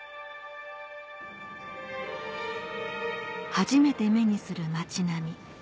初めて目にする街並み